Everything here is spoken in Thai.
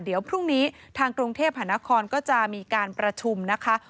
เดี๋ยวพรุ่งนี้ทางกรุงเทพหานครก็จะมีการประชุมนะคะ